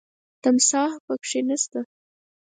تمساح پکې نه شته .